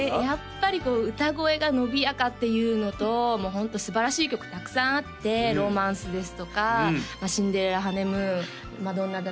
やっぱりこう歌声が伸びやかっていうのともうホントすばらしい曲たくさんあって「ロマンス」ですとか「シンデレラ・ハネムーン」